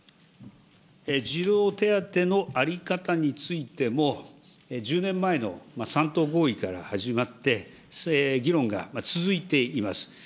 児童手当の在り方についても、１０年前の３党合意から始まって、議論が続いています。